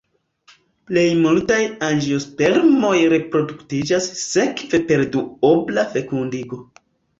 Plej multaj angiospermoj reproduktiĝas sekse per duobla fekundigo.